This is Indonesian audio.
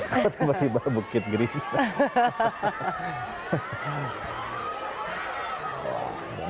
atau tiba tiba bukit green